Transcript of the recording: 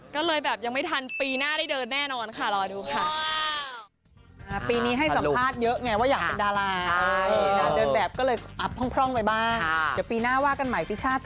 ก็เลยแบบยังไม่ทันปีหน้าได้เดินแน่นอนค่ะรอดูค่ะ